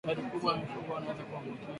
idadi kubwa ya mifugo wanaweza kuambukizwa